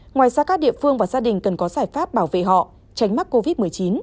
ngoài ra các địa phương và gia đình cần có giải pháp bảo vệ họ tránh mắc covid một mươi chín